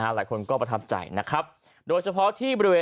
หลายคนก็ประทับใจนะครับโดยเฉพาะที่บริเวณ